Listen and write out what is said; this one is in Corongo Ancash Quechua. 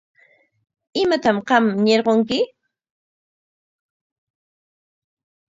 ¿Imatam qam ñirqunki?